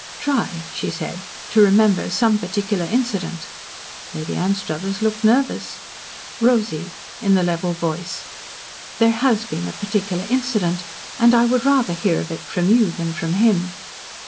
"Try," she said, "to remember some particular incident." Lady Anstruthers looked nervous. "Rosy," in the level voice, "there has been a particular incident and I would rather hear of it from you than from him."